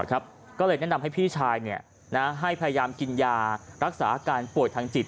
ก็เลยแนะนำให้พี่ชายให้พยายามกินยารักษาอาการป่วยทางจิต